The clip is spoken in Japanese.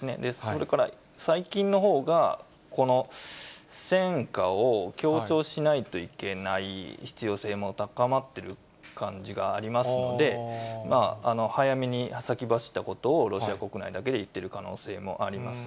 それから最近のほうが、戦果を強調しないといけない必要性も高まっている感じがありますので、早めに先走ったことをロシア国内だけで言っている可能性もあります。